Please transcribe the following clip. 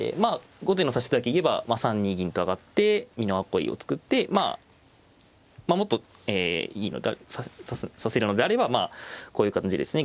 後手の指し手だけ言えば３二銀と上がって美濃囲いを作ってまあもっとえ指せるのであればまあこういう感じですね。